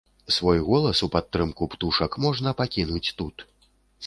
Свой голас у падтрымку птушак можна пакінуць тут.